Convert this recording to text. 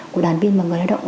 của đoàn viên và người lao động